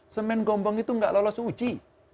semen gombong itu nggak lolos uji